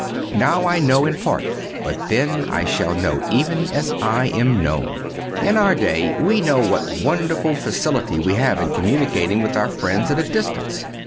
Now, I know in part; but then I shall know even as I am known."(192) In our day we know what wonderful facility we have in communicating with our friends at a distance.